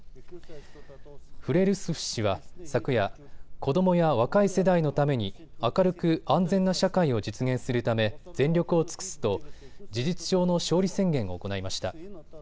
フレルスフ氏は昨夜、子どもや若い世代のために明るく安全な社会を実現するため全力を尽くすと事実上の勝利宣言を行いました。